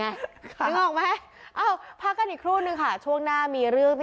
นึกออกไหมเอ้าพักกันอีกครู่นึงค่ะช่วงหน้ามีเรื่อง